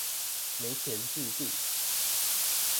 沒錢治病